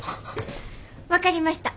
分かりました。